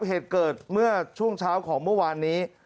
เหตุเกิดเมื่อช่วงเช้าของเมื่อวานนี้